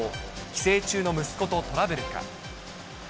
帰省中の息子とトラブルか。